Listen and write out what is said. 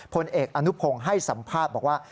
พลเอกอนุพงศ์ให้สัมภาษณ์บอกว่า